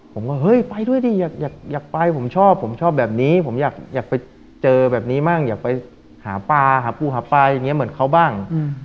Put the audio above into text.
ผมก็เฮ้ยไปด้วยดิอยากไปผมชอบผมชอบแบบนี้ผมอยากไปเจอแบบนี้บ้างอยากไปหาปลาหาปูหาปลาอย่างนี้เหมือนเขาบ้าง